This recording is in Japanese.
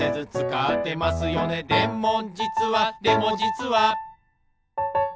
「でもじつはでもじつは」